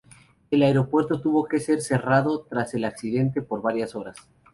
El aeropuerto tuvo que ser cerrado tras el accidente por varias horas.